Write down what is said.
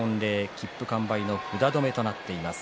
切符完売の札止めとなっています。